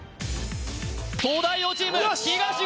東大王チーム東言！